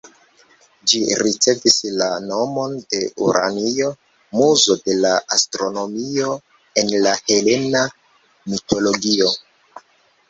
Ĝi ricevis la nomon de Uranio, muzo de la astronomio en la helena mitologio.